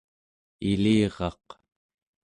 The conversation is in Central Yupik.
iliraq